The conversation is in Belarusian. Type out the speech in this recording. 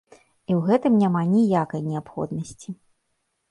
І ў гэтым няма ніякай неабходнасці.